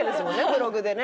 ブログでね